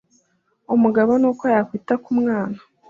umugabo nuko yakwita kumwana